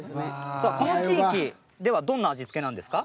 この地域ではどんな味付けなんですか？